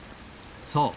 そう。